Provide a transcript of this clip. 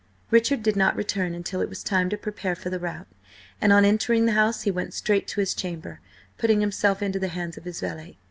Richard did not return until it was time to prepare for the rout, and on entering the house he went straight to his chamber, putting himself into the hands of his valet.